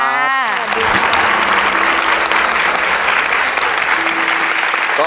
สวัสดีครับ